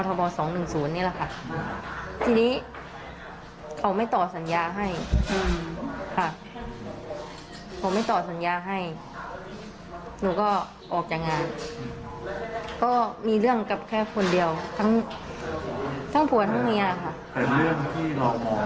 แต่เรื่องที่เรามองว่ามีเรื่องอันนี้มันจะถึงต้องจูงใจต้องทำไว้ทั้งหมด